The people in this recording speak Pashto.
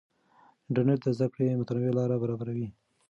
انټرنیټ د زده کړې متنوع لارې برابروي.